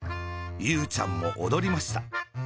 ゆうちゃんもおどりました。